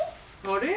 あれ？